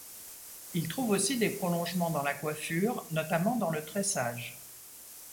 Il trouve aussi des prolongements dans la coiffure, notamment dans le tressage.